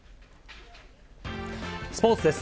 スポーツです。